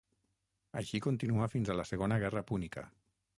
Així continuà fins a la Segona Guerra púnica.